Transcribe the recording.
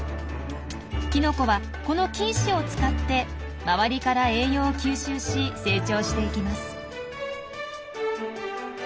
キノコはこの菌糸を使って周りから栄養を吸収し成長していきます。